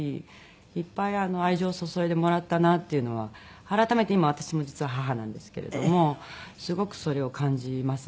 いっぱい愛情を注いでもらったなっていうのは改めて今私も実は母なんですけれどもすごくそれを感じますね。